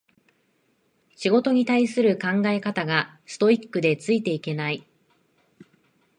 仕事に対する考え方がストイックでついていけない